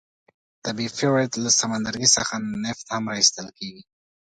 د بیوفورت له سمندرګي څخه نفت هم را ایستل کیږي.